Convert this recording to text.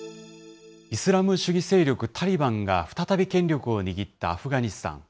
イスラム主義勢力タリバンが再び権力を握ったアフガニスタン。